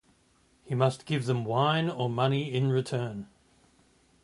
He must give them wine or money in return.